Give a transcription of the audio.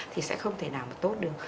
thì sẽ không thể nào mà tốt được